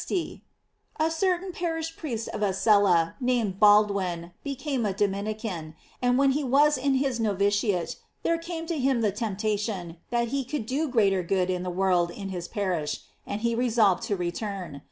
— A certain parish priest of Asella, named Baldwin, became a Dominican, and when he was in his novitiate there came to him the temp tation that he could do greater good in the world in his parish, and he resolved to return.